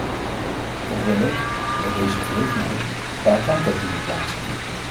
Toch wil ik, bij deze gelegenheid, een paar kanttekeningen plaatsen.